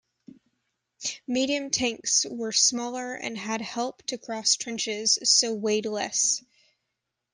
Medium tanks were smaller and had help to cross trenches so weighed less.